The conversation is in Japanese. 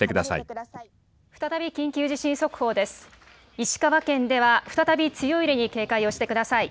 石川県では再び強い揺れに警戒をしてください。